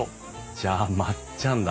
じゃあまっちゃんだ。